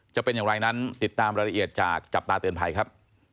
จะเป็นอย่างไรนั้นติดตามรายละเอียดจากจับตาเตือนภัยครับ